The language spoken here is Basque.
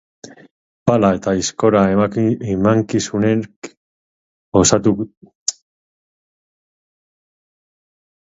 Pala eta aizkora emankizunek osatuko dute kirol eskaintza.